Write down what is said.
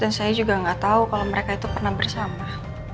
dan saya juga gak tau kalau mereka itu pernah bersama